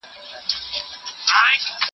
ته ولي لاس مينځې؟